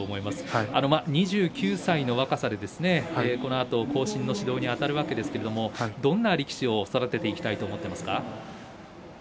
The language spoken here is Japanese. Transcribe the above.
２９歳の若さでこのあと後進の指導にあたるわけですが、どんな力士を育てていきたいと思いますか。